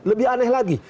lebih aneh lagi